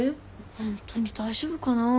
ホントに大丈夫かなぁ。